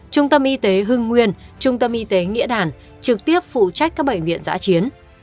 trung tâm y tế hưng nguyên trung tâm y tế nghĩa đàn trực tiếp phụ trách các bệnh viện giã chiến